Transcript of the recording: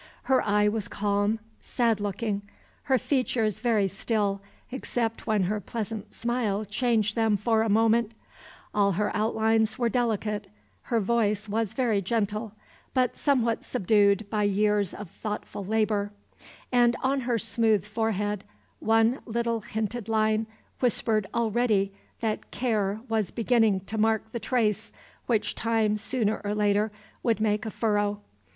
Her eye was calm, sad looking, her features very still, except when her pleasant smile changed them for a moment, all her outlines were delicate, her voice was very gentle, but somewhat subdued by years of thoughtful labor, and on her smooth forehead one little hinted line whispered already that Care was beginning to mark the trace which Time sooner or later would make a furrow.